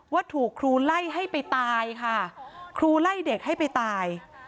ว่าถูกครูไล่ให้ไปตายค่ะครูไล่เด็กให้ไปตาย